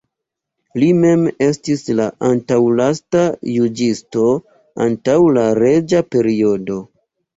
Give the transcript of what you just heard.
Li mem estis la antaŭlasta juĝisto antaŭ la reĝa periodo.